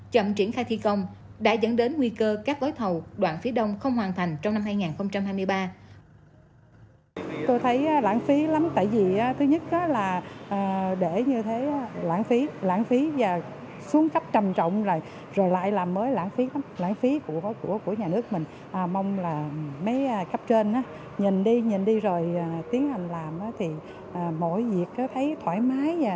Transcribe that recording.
chậm triển khai thi công đã dẫn đến nguy cơ các gối thầu đoạn phía đông không hoàn thành trong năm hai nghìn hai mươi ba